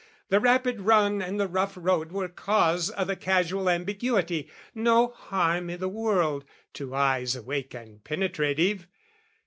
The rapid run and the rough road were cause O' the casual ambiguity, no harm I' the world to eyes awake and penetrative.